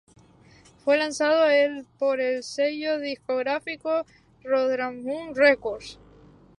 Fue lanzado el por el sello discográfico Roadrunner Records.